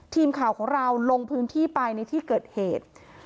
ทีมข่าวของเราลงพื้นที่ไปในที่เกิดเหตุ